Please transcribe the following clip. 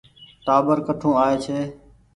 ٽآٻر ڪٺون آئي ڇي۔